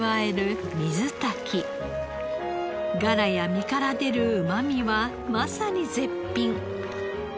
ガラや身から出るうまみはまさに絶品。